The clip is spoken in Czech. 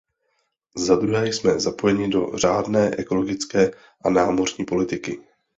Zadruhé, jsme zapojeni do řádné ekologické a námořní politiky.